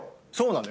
そう！